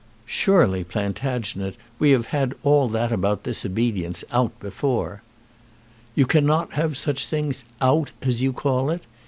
"Surely, Plantagenet, we have had all that about disobedience out before." "You cannot have such things 'out,' as you call it.